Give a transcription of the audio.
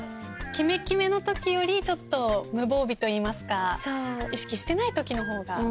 キメキメのときよりちょっと無防備といいますか意識してないときの方が。